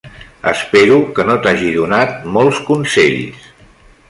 Espero que no t'hagi donat molts consells.